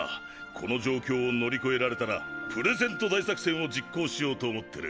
この状況を乗り越えられたらプレゼント大作戦を実行しようと思ってる。